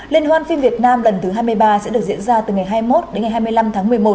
liên hoan phim việt nam lần thứ hai mươi ba sẽ được diễn ra từ ngày hai mươi một đến ngày hai mươi năm tháng một mươi một